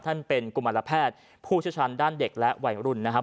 ท่านเป็นกุมารแพทย์ผู้เชี่ยวชาญด้านเด็กและวัยรุ่นนะครับ